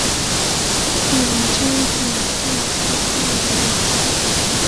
扁肢紧腹溪蟹为溪蟹科紧腹溪蟹属的动物。